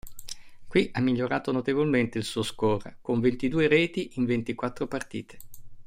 Qui ha migliorato notevolmente il suo "score", con ventidue reti in ventiquattro partite.